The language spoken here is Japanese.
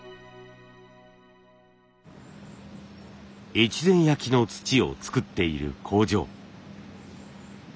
越前焼の土を作っている工場。